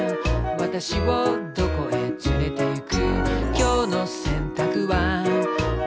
「私をどこへ連れていく」